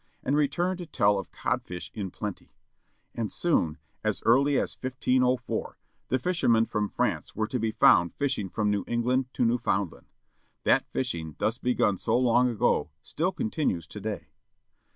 And returned to tell of cod fish in plenty. And soon, as early as 1504, the fishermen from France were to be foimd fishing from New England to Newfoundland. That fishing thus begim so long ago still continues today.